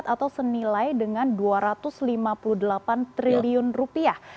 atau senilai dengan dua ratus lima puluh delapan triliun rupiah